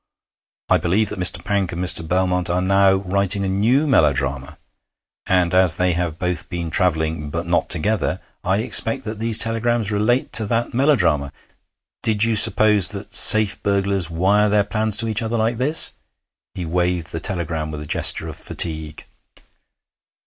I believe that Mr. Pank and Mr. Belmont are now writing a new melodrama, and as they have both been travelling, but not together, I expect that these telegrams relate to that melodrama. Did you suppose that safe burglars wire their plans to each other like this?' He waved the telegram with a gesture of fatigue.